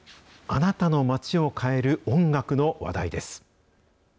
あなたの街を変える音楽の話題です。